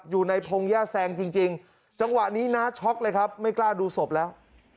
พงหญ้าแซงจริงจังหวะนี้น้าช็อกเลยครับไม่กล้าดูศพแล้ว